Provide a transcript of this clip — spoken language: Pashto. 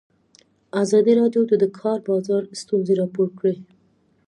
ازادي راډیو د د کار بازار ستونزې راپور کړي.